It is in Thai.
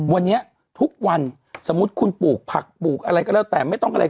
วันนี้ทุกวันสมมุติคุณปลูกผักปลูกอะไรก็แล้วแต่ไม่ต้องอะไร